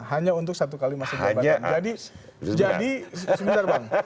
hanya untuk satu kali masa jabatan